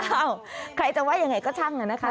ใครจะว่ายังไงก็ช่างนะคะ